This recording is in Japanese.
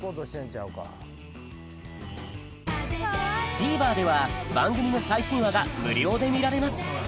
ＴＶｅｒでは番組の最新話が無料で見られます